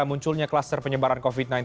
munculnya kluster penyebaran covid sembilan belas